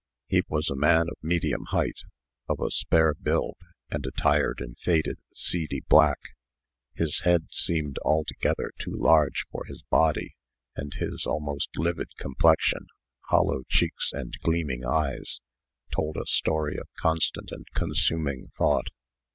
He was a man of medium height, of a spare build, and attired in faded, seedy black. His head seemed altogether too large for his body; and his almost livid complexion, hollow cheeks, and gleaming eyes, told a story of constant and consuming thought.